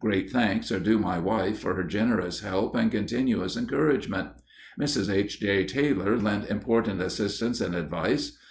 Great thanks are due my wife for her generous help and continuous encouragement. Mrs. H. J. Taylor lent important assistance and advice.